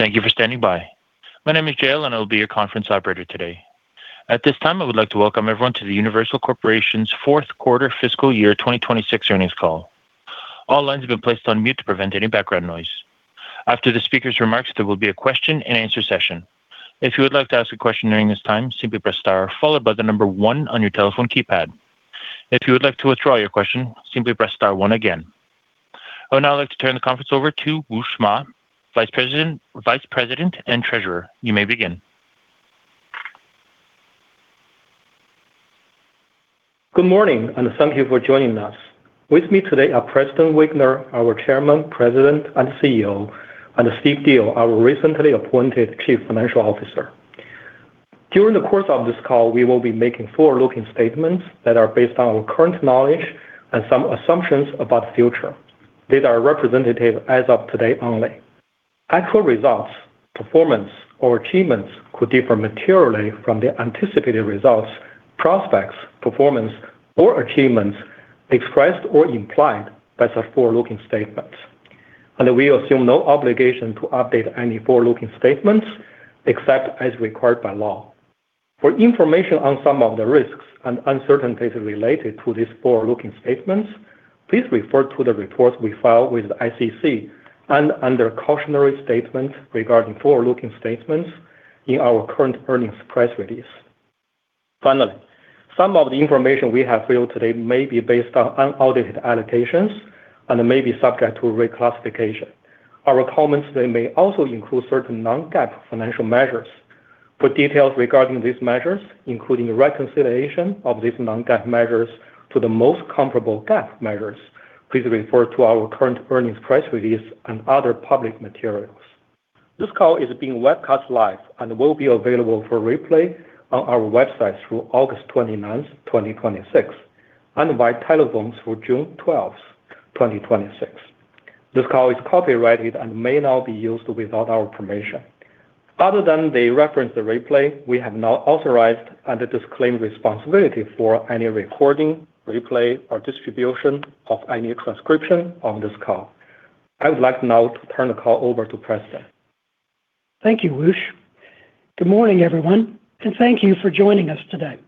Thank you for standing by. My name is Jill and I'll be your conference operator today. At this time, I would like to welcome everyone to the Universal Corporation's fourth quarter fiscal year 2026 earnings call. All lines have been placed on mute to prevent any background noise. After the speaker's remarks, there will be a question and answer session. If you would like to ask a question during this time, simply press star followed by the number one on your telephone keypad. If you would like to withdraw your question, simply press star one again. I would now like to turn the conference over to Wushuang Ma, Vice President and Treasurer. You may begin. Good morning, and thank you for joining us. With me today are Preston Wigner, our Chairman, President, and CEO, and Steve Diel, our recently appointed Chief Financial Officer. During the course of this call, we will be making forward-looking statements that are based on our current knowledge and some assumptions about the future. These are representative as of today only. Actual results, performance, or achievements could differ materially from the anticipated results, prospects, performance or achievements expressed or implied by such forward-looking statements. We assume no obligation to update any forward-looking statements except as required by law. For information on some of the risks and uncertainties related to these forward-looking statements, please refer to the reports we file with the SEC and under cautionary statements regarding forward-looking statements in our current earnings press release. Finally, some of the information we have for you today may be based on unaudited allocations and may be subject to reclassification. Our comments today may also include certain non-GAAP financial measures. For details regarding these measures, including a reconciliation of these non-GAAP measures to the most comparable GAAP measures, please refer to our current earnings press release and other public materials. This call is being webcast live and will be available for replay on our website through August 29, 2026, and by telephones through June 12, 2026. This call is copyrighted and may not be used without our permission. Other than the referenced replay, we have not authorized and disclaim responsibility for any recording, replay, or distribution of any transcription of this call. I would like now to turn the call over to Preston. Thank you, Wush. Good morning, everyone, and thank you for joining us today.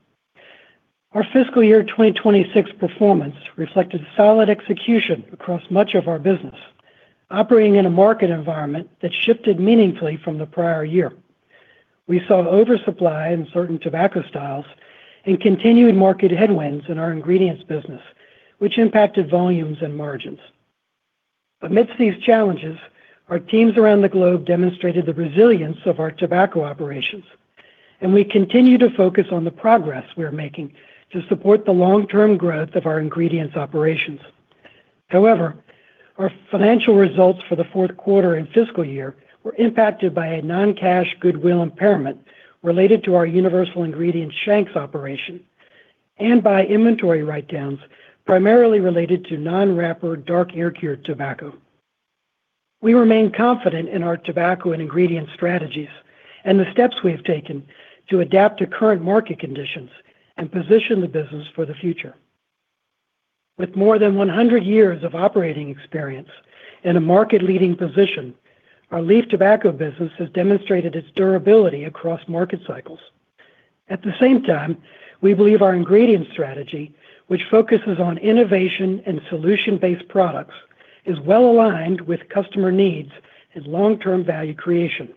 Our fiscal year 2026 performance reflected solid execution across much of our business, operating in a market environment that shifted meaningfully from the prior year. We saw oversupply in certain tobacco styles and continued market headwinds in our ingredients business, which impacted volumes and margins. Amidst these challenges, our teams around the globe demonstrated the resilience of our tobacco operations, and we continue to focus on the progress we are making to support the long-term growth of our ingredients operations. However, our financial results for the fourth quarter and fiscal year were impacted by a non-cash goodwill impairment related to our Universal Ingredients Shank's operation and by inventory write-downs primarily related to non-wrapper dark air-cured tobacco. We remain confident in our tobacco and ingredient strategies and the steps we have taken to adapt to current market conditions and position the business for the future. With more than 100 years of operating experience and a market-leading position, our leaf tobacco business has demonstrated its durability across market cycles. At the same time, we believe our ingredient strategy, which focuses on innovation and solution-based products, is well-aligned with customer needs and long-term value creation.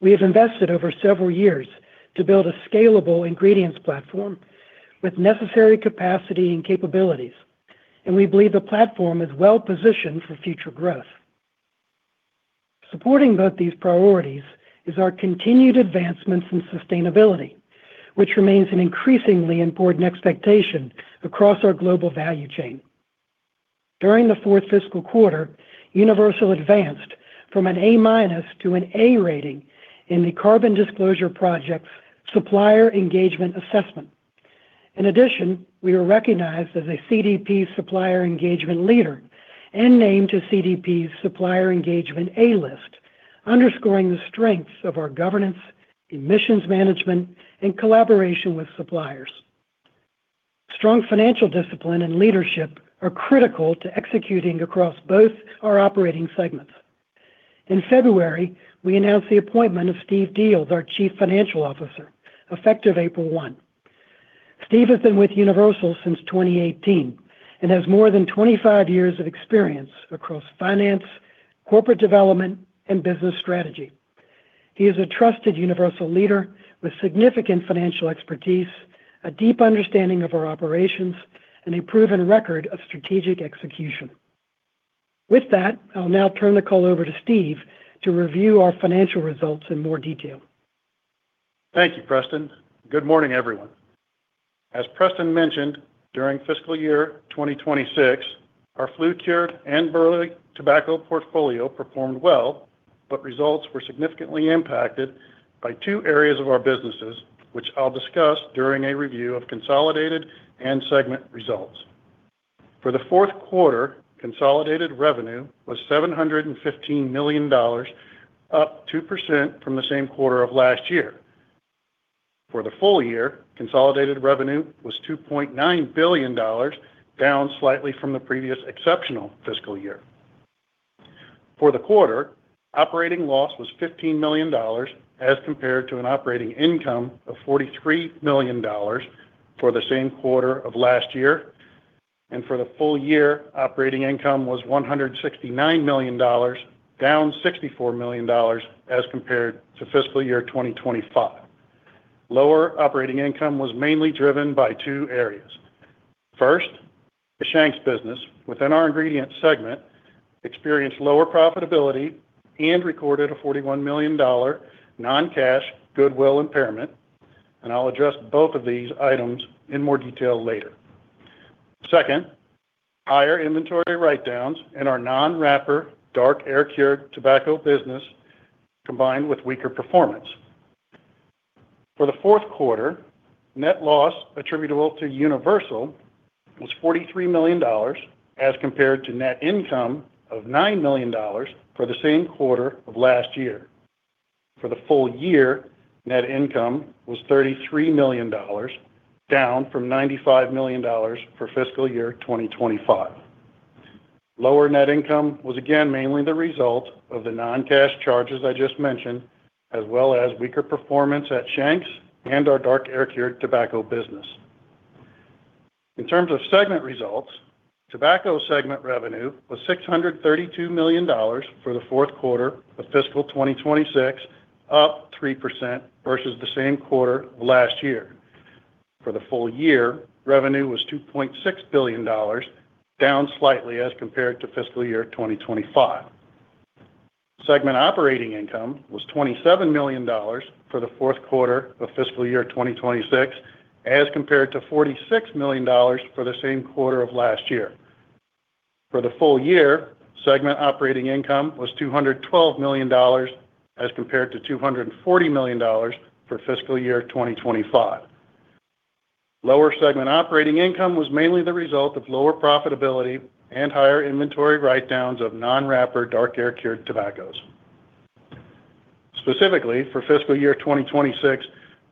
We have invested over several years to build a scalable ingredients platform with necessary capacity and capabilities, and we believe the platform is well-positioned for future growth. Supporting both these priorities is our continued advancements in sustainability, which remains an increasingly important expectation across our global value chain. During the fourth fiscal quarter, Universal advanced from an A- to an A rating in the Carbon Disclosure Project's Supplier Engagement Assessment. In addition, we were recognized as a CDP Supplier Engagement Leader and named to CDP's Supplier Engagement A List, underscoring the strengths of our governance, emissions management, and collaboration with suppliers. Strong financial discipline and leadership are critical to executing across both our operating segments. In February, we announced the appointment of Steve Diel as our Chief Financial Officer, effective April 1. Steve has been with Universal since 2018 and has more than 25 years of experience across finance, corporate development, and business strategy. He is a trusted Universal leader with significant financial expertise, a deep understanding of our operations, and a proven record of strategic execution. With that, I'll now turn the call over to Steve to review our financial results in more detail. Thank you, Preston. Good morning, everyone. As Preston mentioned, during fiscal year 2026, our flue-cured and burley tobacco portfolio performed well, but results were significantly impacted by two areas of our businesses, which I'll discuss during a review of consolidated and segment results. For the fourth quarter, consolidated revenue was $715 million, up 2% from the same quarter of last year. For the full year, consolidated revenue was $2.9 billion, down slightly from the previous exceptional fiscal year. For the quarter, operating loss was $15 million, as compared to an operating income of $43 million for the same quarter of last year. For the full year, operating income was $169 million, down $64 million as compared to fiscal year 2025. Lower operating income was mainly driven by two areas. First, the Shank's business within our ingredient segment experienced lower profitability and recorded a $41 million non-cash goodwill impairment. I'll address both of these items in more detail later. Second, higher inventory write-downs in our non-wrapper dark air-cured tobacco business, combined with weaker performance. For the fourth quarter, net loss attributable to Universal was $43 million as compared to net income of $9 million for the same quarter of last year. For the full year, net income was $33 million, down from $95 million for fiscal year 2025. Lower net income was again mainly the result of the non-cash charges I just mentioned, as well as weaker performance at Shank's and our dark air-cured tobacco business. In terms of segment results, tobacco segment revenue was $632 million for the fourth quarter of fiscal 2026, up 3% versus the same quarter of last year. For the full year, revenue was $2.6 billion, down slightly as compared to fiscal year 2025. Segment operating income was $27 million for the fourth quarter of fiscal year 2026, as compared to $46 million for the same quarter of last year. For the full year, segment operating income was $212 million as compared to $240 million for fiscal year 2025. Lower segment operating income was mainly the result of lower profitability and higher inventory write-downs of non-wrapper dark air-cured tobaccos. Specifically, for fiscal year 2026,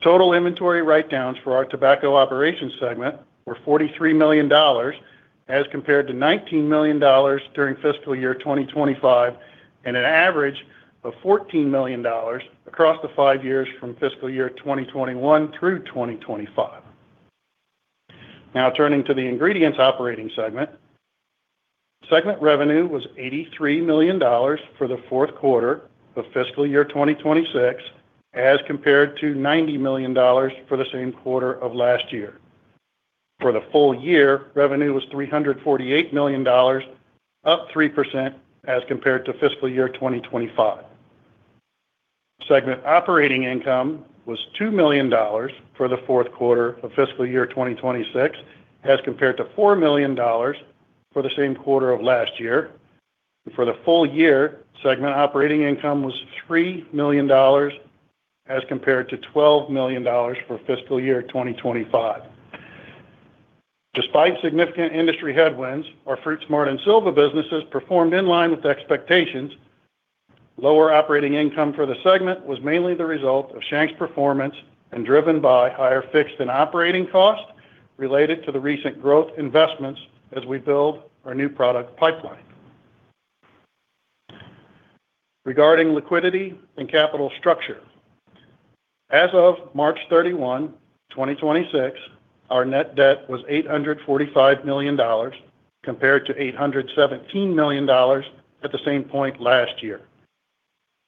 total inventory write-downs for our tobacco operations segment were $43 million as compared to $19 million during fiscal year 2025, and an average of $14 million across the five years from fiscal year 2021 through 2025. Now, turning to the ingredients operating segment. Segment revenue was $83 million for the fourth quarter of fiscal year 2026, as compared to $90 million for the same quarter of last year. For the full year, revenue was $348 million, up 3% as compared to fiscal year 2025. Segment operating income was $2 million for the fourth quarter of fiscal year 2026 as compared to $4 million for the same quarter of last year. For the full year, segment operating income was $3 million as compared to $12 million for fiscal year 2025. Despite significant industry headwinds, our FruitSmart and Silva businesses performed in line with expectations. Lower operating income for the segment was mainly the result of Shank's performance and driven by higher fixed and operating costs related to the recent growth investments as we build our new product pipeline. Regarding liquidity and capital structure. As of March 31, 2026, our net debt was $845 million, compared to $817 million at the same point last year.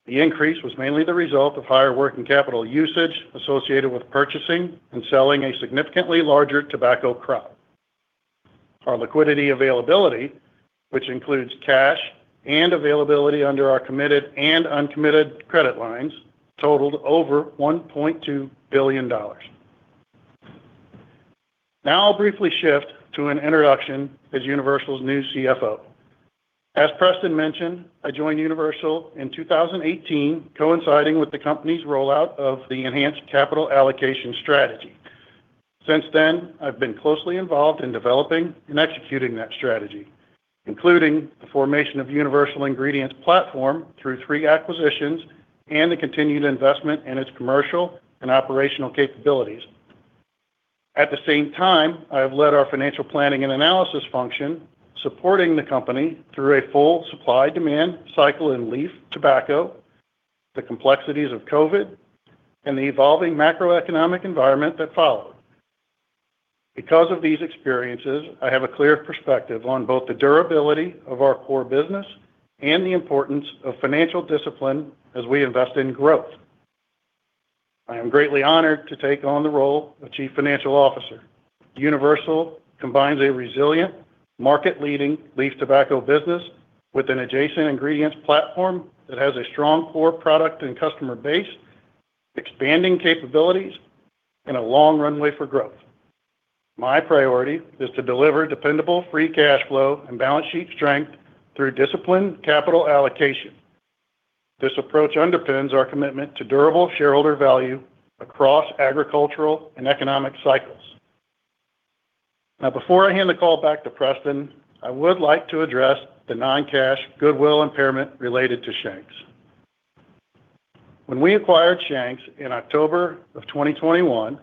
The increase was mainly the result of higher working capital usage associated with purchasing and selling a significantly larger tobacco crop. Our liquidity availability, which includes cash and availability under our committed and uncommitted credit lines, totaled over $1.2 billion. Now I'll briefly shift to an introduction as Universal's new CFO. As Preston mentioned, I joined Universal in 2018, coinciding with the company's rollout of the enhanced capital allocation strategy. Since then, I've been closely involved in developing and executing that strategy, including the formation of Universal Ingredients platform through three acquisitions and the continued investment in its commercial and operational capabilities. At the same time, I have led our financial planning and analysis function, supporting the company through a full supply-demand cycle in leaf tobacco, the complexities of COVID, and the evolving macroeconomic environment that followed. Because of these experiences, I have a clear perspective on both the durability of our core business and the importance of financial discipline as we invest in growth. I am greatly honored to take on the role of Chief Financial Officer. Universal combines a resilient market-leading leaf tobacco business with an adjacent ingredients platform that has a strong core product and customer base, expanding capabilities, and a long runway for growth. My priority is to deliver dependable free cash flow and balance sheet strength through disciplined capital allocation. This approach underpins our commitment to durable shareholder value across agricultural and economic cycles. Now, before I hand the call back to Preston, I would like to address the non-cash goodwill impairment related to Shank's. When we acquired Shank's in October of 2021,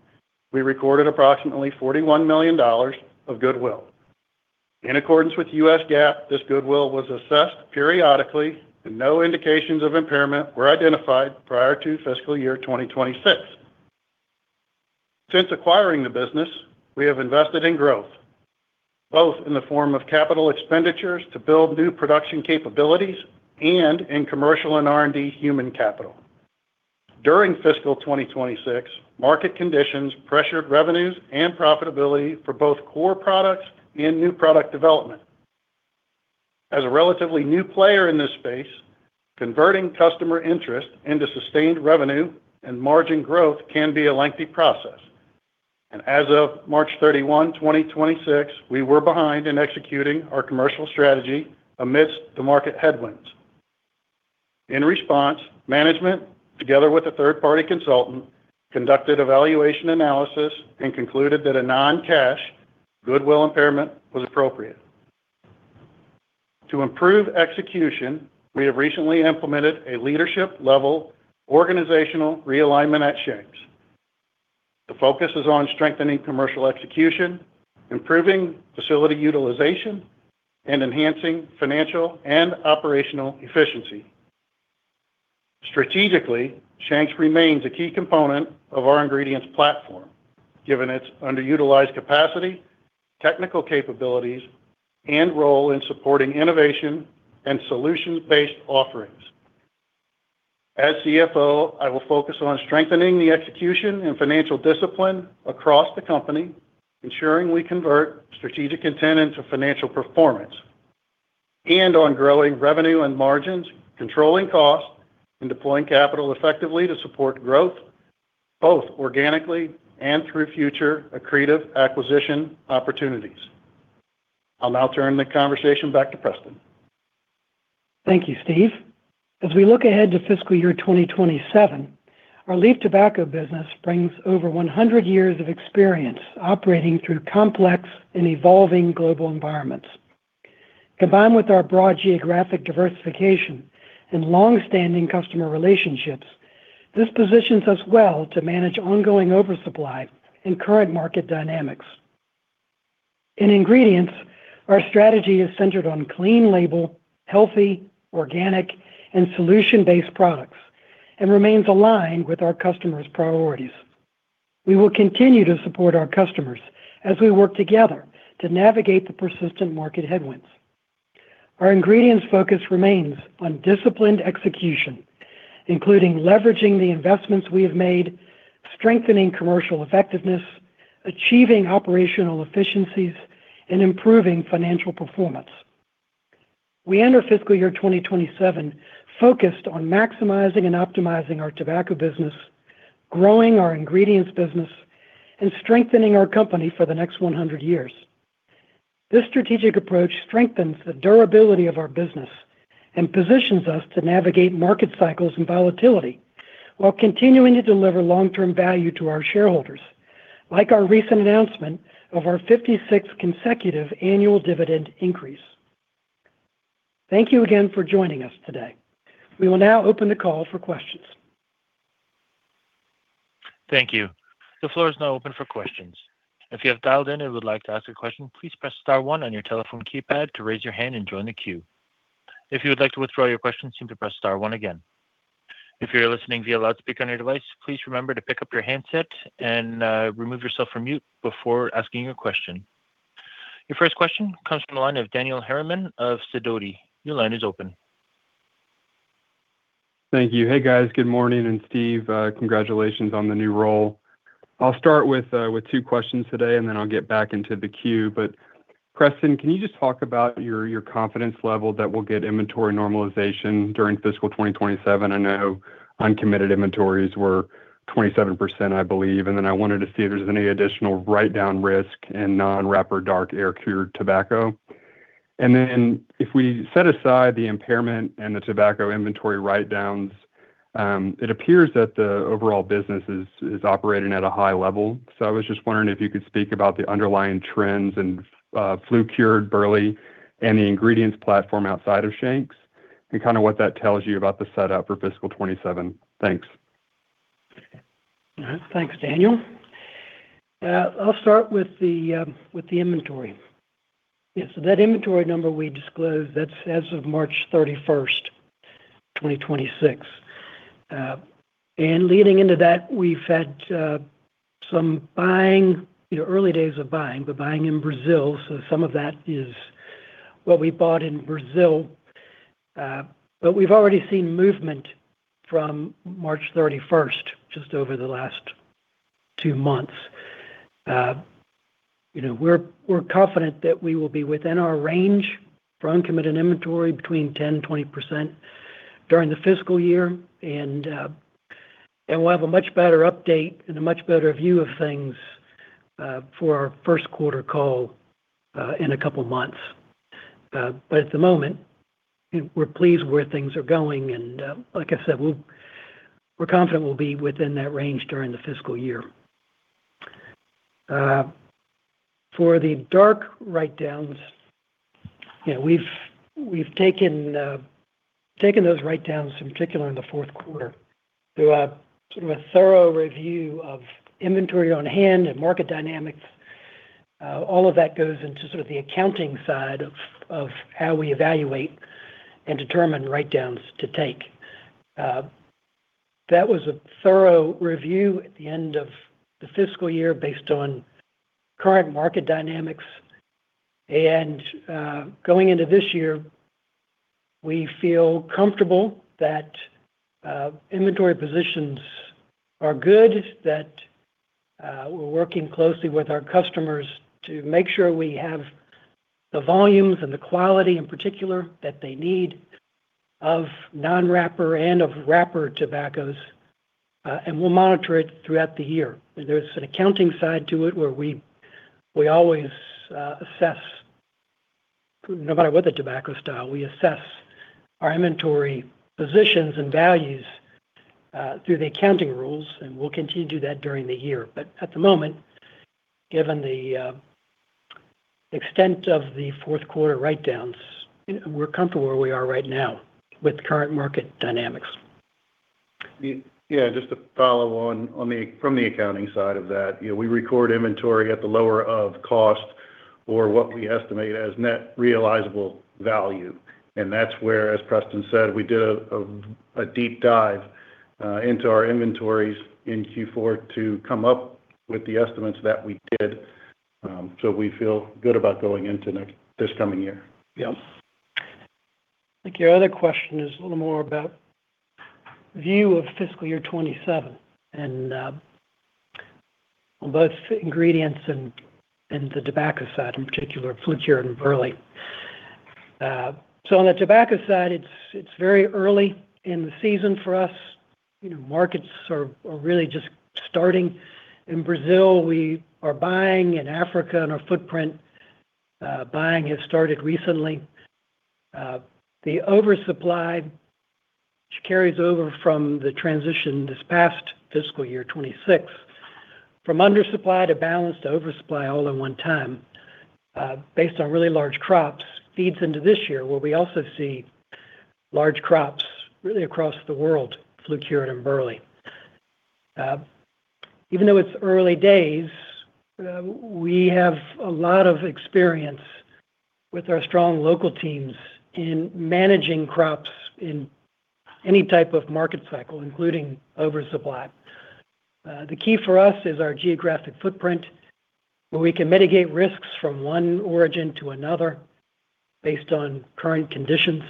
we recorded approximately $41 million of goodwill. In accordance with U.S. GAAP, this goodwill was assessed periodically, and no indications of impairment were identified prior to fiscal year 2026. Since acquiring the business, we have invested in growth, both in the form of capital expenditures to build new production capabilities and in commercial and R&D human capital. During fiscal 2026, market conditions pressured revenues and profitability for both core products and new product development. As a relatively new player in this space, converting customer interest into sustained revenue and margin growth can be a lengthy process, and as of March 31, 2026, we were behind in executing our commercial strategy amidst the market headwinds. In response, management, together with a third-party consultant, conducted a valuation analysis and concluded that a non-cash goodwill impairment was appropriate. To improve execution, we have recently implemented a leadership-level organizational realignment at Shank's. The focus is on strengthening commercial execution, improving facility utilization, and enhancing financial and operational efficiency. Strategically, Shank's remains a key component of our ingredients platform, given its underutilized capacity, technical capabilities, and role in supporting innovation and solutions-based offerings. As CFO, I will focus on strengthening the execution and financial discipline across the company, ensuring we convert strategic intent into financial performance, and on growing revenue and margins, controlling costs, and deploying capital effectively to support growth, both organically and through future accretive acquisition opportunities. I'll now turn the conversation back to Preston. Thank you, Steve. As we look ahead to fiscal year 2027, our leaf tobacco business brings over 100 years of experience operating through complex and evolving global environments. Combined with our broad geographic diversification and long-standing customer relationships, this positions us well to manage ongoing oversupply and current market dynamics. In ingredients, our strategy is centered on clean label, healthy, organic, and solution-based products and remains aligned with our customers' priorities. We will continue to support our customers as we work together to navigate the persistent market headwinds. Our ingredients focus remains on disciplined execution, including leveraging the investments we have made, strengthening commercial effectiveness, achieving operational efficiencies, and improving financial performance. We enter fiscal year 2027 focused on maximizing and optimizing our tobacco business, growing our ingredients business, and strengthening our company for the next 100 years. This strategic approach strengthens the durability of our business and positions us to navigate market cycles and volatility while continuing to deliver long-term value to our shareholders, like our recent announcement of our 56th consecutive annual dividend increase. Thank you again for joining us today. We will now open the call for questions. Thank you. The floor is now open for questions. If you have dialed in and would like to ask a question, please press star one on your telephone keypad to raise your hand and join the queue. If you would like to withdraw your question, simply press star one again. If you're listening via loudspeaker on your device, please remember to pick up your handset and remove yourself from mute before asking your question. Your first question comes from the line of Daniel Harriman of Sidoti. Your line is open. Thank you. Hey, guys. Good morning, Steve, congratulations on the new role. I'll start with two questions today. Then I'll get back into the queue. Preston, can you just talk about your confidence level that we'll get inventory normalization during fiscal 2027? I know uncommitted inventories were 27%, I believe. Then I wanted to see if there's any additional write-down risk in non-wrapper dark air-cured tobacco. Then if we set aside the impairment and the tobacco inventory write-downs, it appears that the overall business is operating at a high level. I was just wondering if you could speak about the underlying trends in flue-cured burley and the ingredients platform outside of Shank's and kind of what that tells you about the setup for fiscal year 2027. Thanks. All right. Thanks, Daniel. I'll start with the inventory. That inventory number we disclosed, that's as of March 31st, 2026. Leading into that, we've had some early days of buying, but buying in Brazil. Some of that is what we bought in Brazil. We've already seen movement from March 31st, just over the last two months. We're confident that we will be within our range for uncommitted inventory between 10% and 20% during the fiscal year. We'll have a much better update and a much better view of things for our first quarter call in a couple of months. At the moment, we're pleased where things are going, and like I said, we're confident we'll be within that range during the fiscal year. For the dark write-downs, we've taken those write-downs in particular in the fourth quarter through a thorough review of inventory on hand and market dynamics. All of that goes into the accounting side of how we evaluate and determine write-downs to take. That was a thorough review at the end of the fiscal year based on current market dynamics. Going into this year, we feel comfortable that inventory positions are good, that we're working closely with our customers to make sure we have the volumes and the quality in particular that they need of non-wrapper and of wrapper tobaccos, and we'll monitor it throughout the year. There's an accounting side to it where we always assess, no matter what the tobacco style, we assess our inventory positions and values through the accounting rules, and we'll continue to do that during the year. At the moment, given the extent of the fourth quarter write-downs, we're comfortable where we are right now with current market dynamics. Yeah, just to follow on from the accounting side of that, we record inventory at the lower of cost or what we estimate as net realizable value. That's where, as Preston said, we did a deep dive into our inventories in Q4 to come up with the estimates that we did. We feel good about going into this coming year. Yep. I think your other question is a little more about view of fiscal year 2027, and on both ingredients and the tobacco side in particular, flue-cured and burley. On the tobacco side, it's very early in the season for us. Markets are really just starting in Brazil. We are buying in Africa, and our footprint buying has started recently. The oversupply, which carries over from the transition this past fiscal year 2026, from undersupply to balance to oversupply all at one time, based on really large crops, feeds into this year, where we also see large crops really across the world, flue-cured and burley. Even though it's early days, we have a lot of experience with our strong local teams in managing crops in any type of market cycle, including oversupply. The key for us is our geographic footprint, where we can mitigate risks from one origin to another based on current conditions,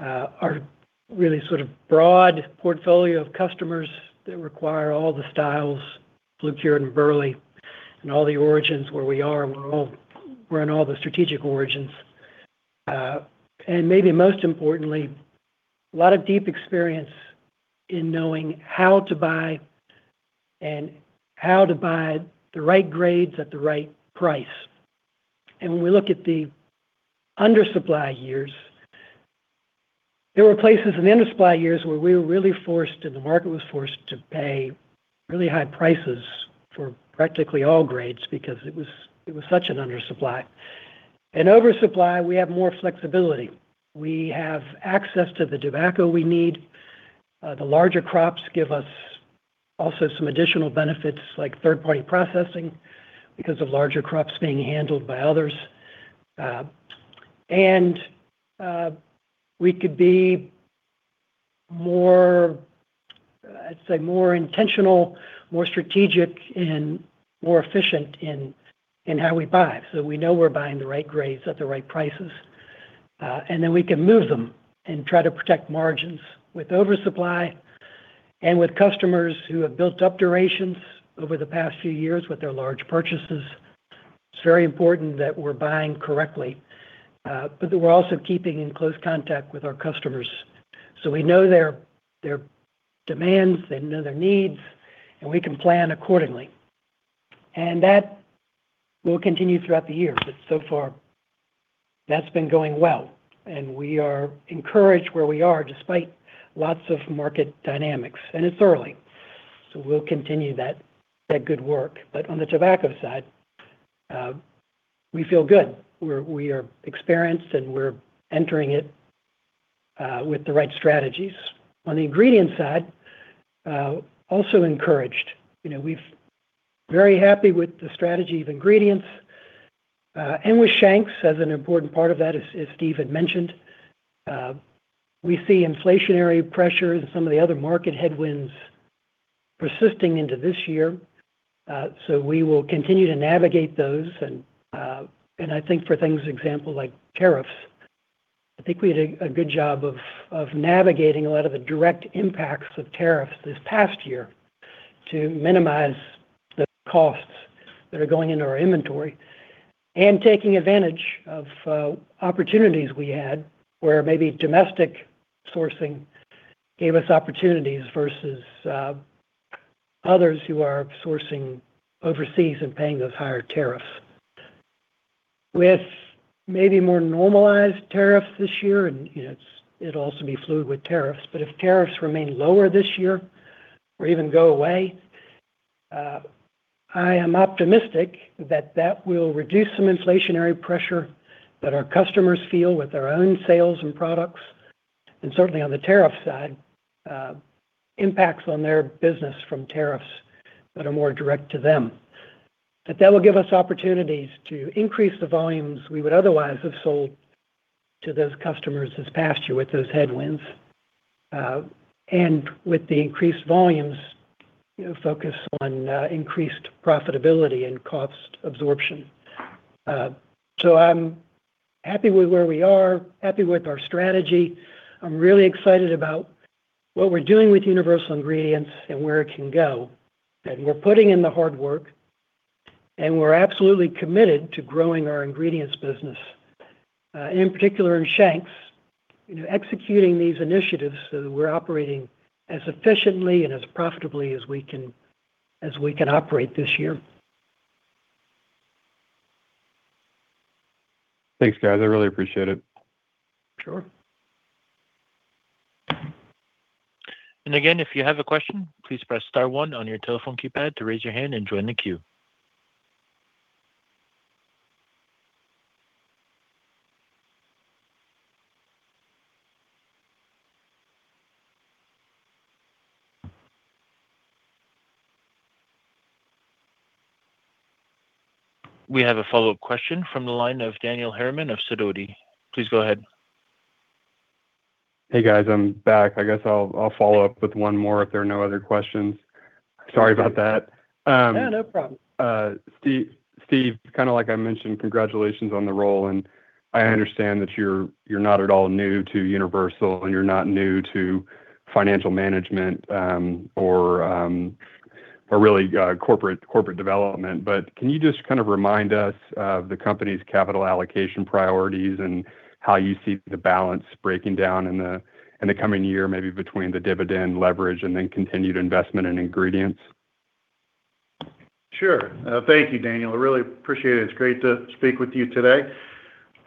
our really broad portfolio of customers that require all the styles, flue-cured and burley, and all the origins where we are, and we're in all the strategic origins. Maybe most importantly, a lot of deep experience in knowing how to buy and how to buy the right grades at the right price. When we look at the undersupply years, there were places in the undersupply years where we were really forced, and the market was forced to pay really high prices for practically all grades because it was such an undersupply. In oversupply, we have more flexibility. We have access to the tobacco we need. The larger crops give us also some additional benefits like third-party processing because of larger crops being handled by others. We could be more, I'd say, more intentional, more strategic, and more efficient in how we buy. We know we're buying the right grades at the right prices, and then we can move them and try to protect margins with oversupply and with customers who have built up durations over the past few years with their large purchases. It's very important that we're buying correctly, but that we're also keeping in close contact with our customers. We know their demands, they know their needs, and we can plan accordingly. That will continue throughout the year. So far, that's been going well, and we are encouraged where we are despite lots of market dynamics. It's early, so we'll continue that good work. On the tobacco side, we feel good. We are experienced, and we're entering it with the right strategies. On the ingredients side, also encouraged. We're very happy with the strategy of ingredients, and with Shank's as an important part of that, as Steve had mentioned. We see inflationary pressures and some of the other market headwinds persisting into this year. We will continue to navigate those, and I think for things, example, like tariffs, I think we did a good job of navigating a lot of the direct impacts of tariffs this past year to minimize the costs that are going into our inventory and taking advantage of opportunities we had where maybe domestic sourcing gave us opportunities versus others who are sourcing overseas and paying those higher tariffs. With maybe more normalized tariffs this year, it'll also be fluid with tariffs, but if tariffs remain lower this year or even go away, I am optimistic that that will reduce some inflationary pressure that our customers feel with their own sales and products, and certainly on the tariff side, impacts on their business from tariffs that are more direct to them. That will give us opportunities to increase the volumes we would otherwise have sold to those customers this past year with those headwinds. With the increased volumes, focus on increased profitability and cost absorption. I'm happy with where we are, happy with our strategy. I'm really excited about what we're doing with Universal Ingredients and where it can go, and we're putting in the hard work, and we're absolutely committed to growing our ingredients business. In particular in Shank's, executing these initiatives so that we're operating as efficiently and as profitably as we can operate this year. Thanks, guys. I really appreciate it. Sure. Again, if you have a question, please press star one on your telephone keypad to raise your hand and join the queue. We have a follow-up question from the line of Daniel Harriman of Sidoti. Please go ahead. Hey, guys. I'm back. I guess I'll follow up with one more if there are no other questions. Sorry about that. No, no problem. Steve, like I mentioned, congratulations on the role, and I understand that you're not at all new to Universal, and you're not new to financial management or really corporate development, but can you just remind us of the company's capital allocation priorities and how you see the balance breaking down in the coming year, maybe between the dividend leverage and then continued investment in ingredients? Sure. Thank you, Daniel. I really appreciate it. It's great to speak with you today.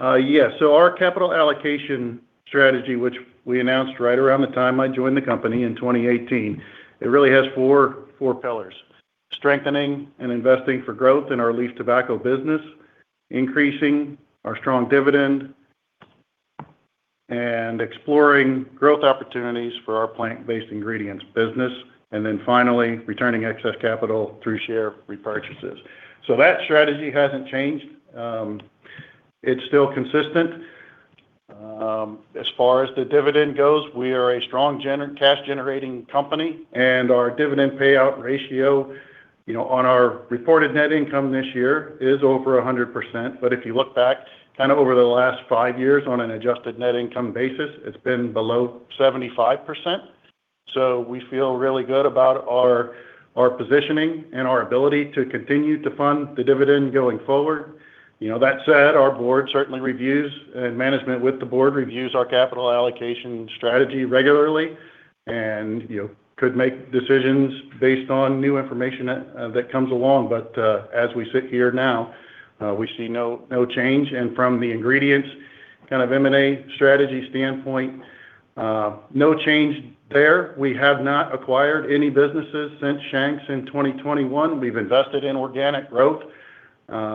Yeah. Our capital allocation strategy, which we announced right around the time I joined the company in 2018, it really has four pillars. Strengthening and investing for growth in our leaf tobacco business, increasing our strong dividend, and exploring growth opportunities for our plant-based ingredients business, and then finally, returning excess capital through share repurchases. That strategy hasn't changed. It's still consistent. As far as the dividend goes, we are a strong cash-generating company, and our dividend payout ratio on our reported net income this year is over 100%. If you look back over the last five years on an adjusted net income basis, it's been below 75%. We feel really good about our positioning and our ability to continue to fund the dividend going forward. That said, our board certainly reviews, and management with the board reviews our capital allocation strategy regularly and could make decisions based on new information that comes along. But as we sit here now, we see no change. From the ingredients M&A strategy standpoint, no change there. We have not acquired any businesses since Shank's in 2021. We've invested in organic growth.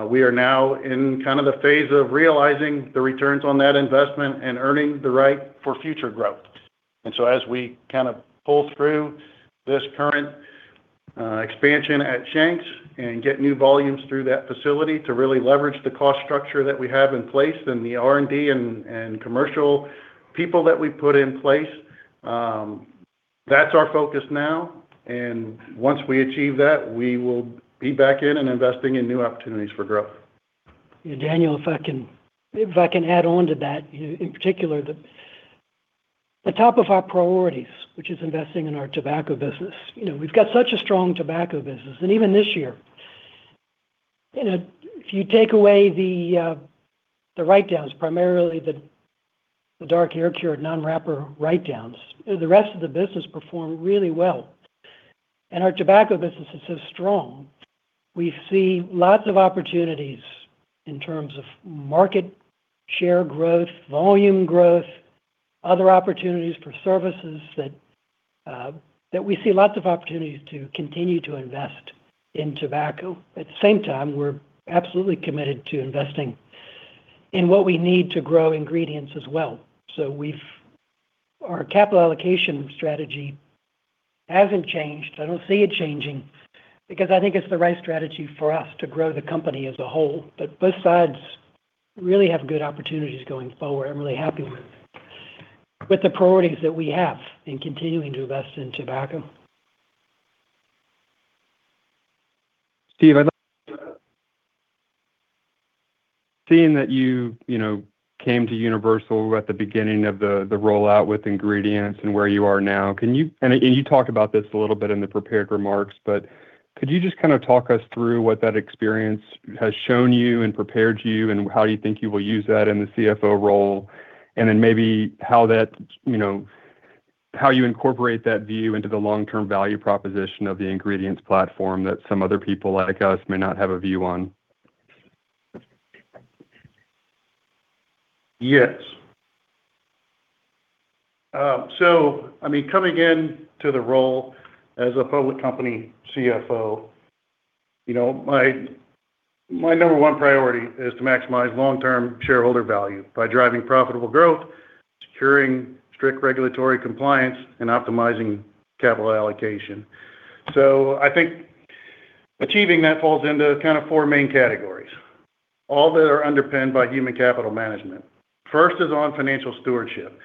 We are now in the phase of realizing the returns on that investment and earning the right for future growth. As we pull through this current expansion at Shank's and get new volumes through that facility to really leverage the cost structure that we have in place and the R&D and commercial people that we put in place, that's our focus now. Once we achieve that, we will be back in and investing in new opportunities for growth. Daniel, if I can add on to that. In particular, the top of our priorities, which is investing in our tobacco business. We've got such a strong tobacco business. Even this year, if you take away the write-downs, primarily the non-wrapper dark air-cured write-downs, the rest of the business performed really well. Our tobacco business is so strong, we see lots of opportunities in terms of market share growth, volume growth, other opportunities for services that we see lots of opportunities to continue to invest in tobacco. At the same time, we're absolutely committed to investing in what we need to grow ingredients as well. Our capital allocation strategy hasn't changed. I don't see it changing because I think it's the right strategy for us to grow the company as a whole. Both sides really have good opportunities going forward. I'm really happy with the priorities that we have in continuing to invest in tobacco. Steve, seeing that you came to Universal at the beginning of the rollout with ingredients and where you are now, and you talked about this a little bit in the prepared remarks, could you just kind of talk us through what that experience has shown you and prepared you, and how you think you will use that in the CFO role? Maybe how you incorporate that view into the long-term value proposition of the ingredients platform that some other people like us may not have a view on. Yes. Coming into the role as a public company CFO, my number one priority is to maximize long-term shareholder value by driving profitable growth, securing strict regulatory compliance, and optimizing capital allocation. I think achieving that falls into four main categories, all that are underpinned by human capital management. First is on financial stewardship.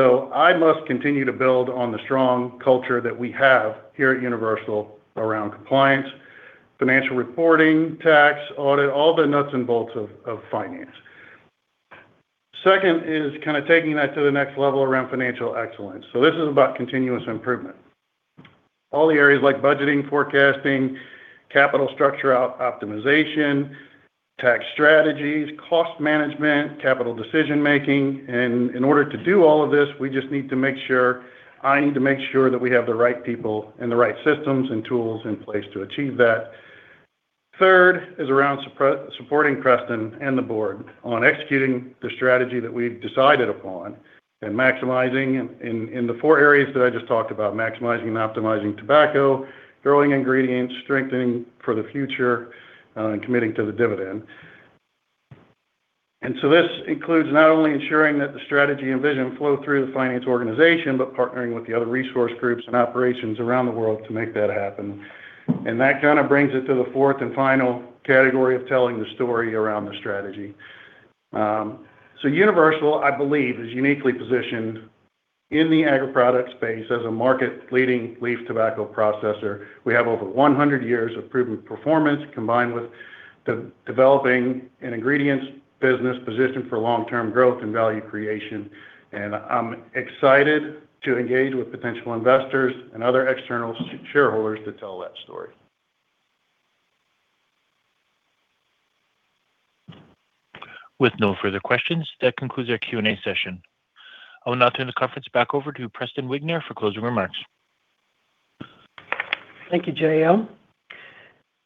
I must continue to build on the strong culture that we have here at Universal around compliance, financial reporting, tax, audit, all the nuts and bolts of finance. Second is taking that to the next level around financial excellence. This is about continuous improvement, all the areas like budgeting, forecasting, capital structure optimization, tax strategies, cost management, capital decision-making. In order to do all of this, I need to make sure that we have the right people and the right systems and tools in place to achieve that. Third is around supporting Preston and the board on executing the strategy that we've decided upon and maximizing in the four areas that I just talked about, maximizing and optimizing tobacco, growing ingredients, strengthening for the future, and committing to the dividend. This includes not only ensuring that the strategy and vision flow through the finance organization, but partnering with the other resource groups and operations around the world to make that happen. That kind of brings it to the fourth and final category of telling the story around the strategy. Universal, I believe, is uniquely positioned in the agri-product space as a market-leading leaf tobacco processor. We have over 100 years of proven performance, combined with developing an ingredients business positioned for long-term growth and value creation. I'm excited to engage with potential investors and other external shareholders to tell that story. With no further questions, that concludes our Q&A session. I will now turn the conference back over to Preston Wigner for closing remarks. Thank you, Jill.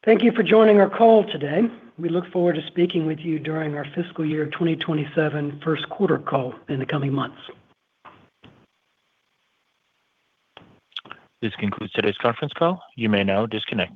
Thank you for joining our call today. We look forward to speaking with you during our fiscal year 2027 first quarter call in the coming months. This concludes today's conference call. You may now disconnect.